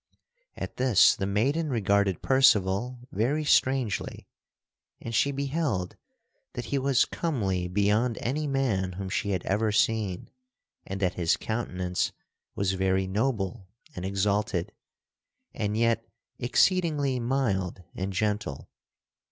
At this the maiden regarded Percival very strangely, and she beheld that he was comely beyond any man whom she had ever seen and that his countenance was very noble and exalted and yet exceedingly mild and gentle.